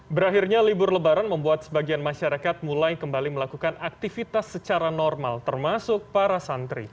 berakhirnya libur lebaran membuat sebagian masyarakat mulai kembali melakukan aktivitas secara normal termasuk para santri